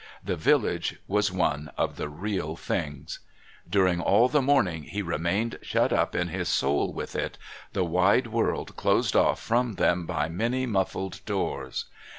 The village was one of the real things; during all the morning he remained shut up in his soul with it, the wide world closed off from them by many muffled doors.